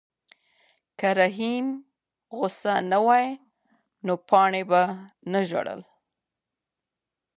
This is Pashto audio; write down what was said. که رحیم غوسه نه وای نو پاڼه به نه ژړله.